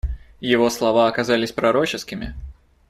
Его слова оказались пророческими.